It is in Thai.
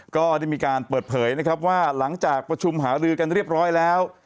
ก็ได้มีการเปิดเผยนะครับว่าหลังจากประชุมหารือกันเรียบร้อยแล้ว